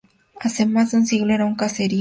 Hace más de un siglo era un caserío.